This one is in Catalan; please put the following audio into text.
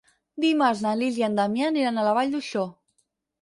Dimarts na Lis i en Damià aniran a la Vall d'Uixó.